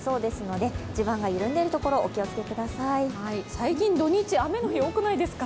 最近、土日、雨の日多くないですか？